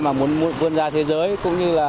mà muốn vươn ra thế giới cũng như là